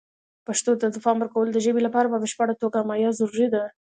پښتو ته د پام ورکول د ژبې لپاره په بشپړه توګه حمایه ضروري ده.